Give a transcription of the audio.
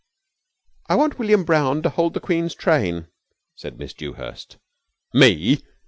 ] "I want William Brown to hold the queen's train," said Miss Dewhurst. "_Me?